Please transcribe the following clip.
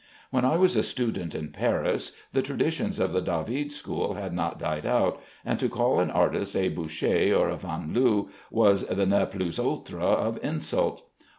When I was a student in Paris, the traditions of the David school had not died out, and to call an artist a Boucher or a Vanloo was the ne plus ultra of insult.